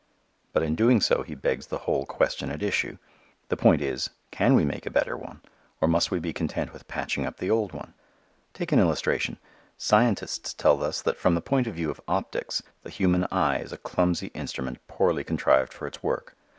But in doing so he begs the whole question at issue. The point is, can we make a better one or must we be content with patching up the old one? Take an illustration. Scientists tell us that from the point of view of optics the human eye is a clumsy instrument poorly contrived for its work.